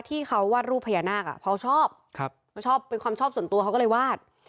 ที่เขาวาดรูปพญานาคเขาชอบเขาชอบเป็นความชอบส่วนตัวเขาก็เลยวาด